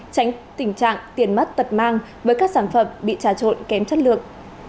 tránh tình trạng tiền mất tật mang với các sản phẩm bị trà trộn kém chất lượng